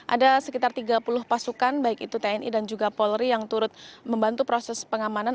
ada sekitar tiga puluh pasukan baik itu tni dan juga polri yang turut membantu proses pengamanan